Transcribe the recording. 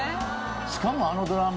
しかもあのドラマ。